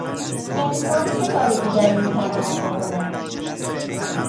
انسان چه کار دیگری میتواند بکند؟